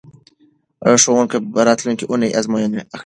ښوونکي به راتلونکې اونۍ ازموینه اخلي.